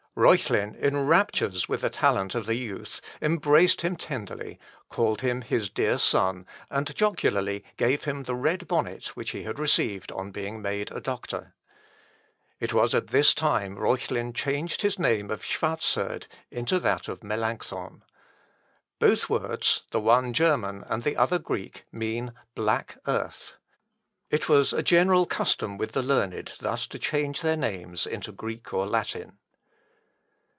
Reuchlin, in raptures with the talents of the youth, embraced him tenderly, called him his dear son, and jocularly gave him the red bonnet which he had received on being made doctor. It was at this time Reuchlin changed his name of Schwarzerd into that of Melancthon. Both words, the one German, and the other Greek, mean black earth. It was a general custom with the learned thus to change their names into Greek or Latin.